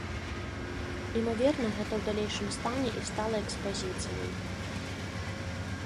Імаверна гэта ў далейшым стане і сталай экспазіцыяй.